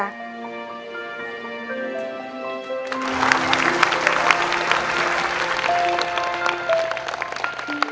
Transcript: รัก